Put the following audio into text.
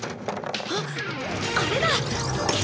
あっあれだ！